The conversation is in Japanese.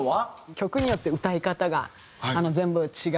曲によって歌い方が全部違う。